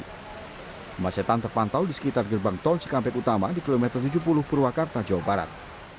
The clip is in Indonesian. kemacetan terpantau di sekitar gerbang tol cikampek utama di kilometer tujuh puluh purwakarta jawa barat